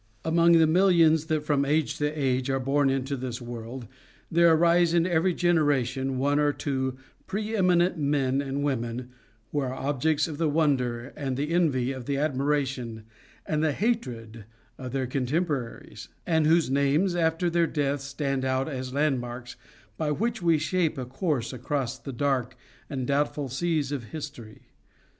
[TN]] Among the millions that from age to age are born into this world there arise in every generation one or two pre eminent men and women who are objects of the wonder and the envy, the admiration and the hatred of their contemporaries, and whose names, after their deaths, stand out as landmarks by which we shape a course across the dark and doubtful seas of history.